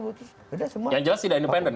yang jelas tidak independen